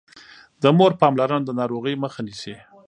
د مور پاملرنه د ناروغۍ مخه نيسي.